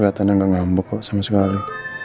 kelihatannya nggak ngambek kok sama sekali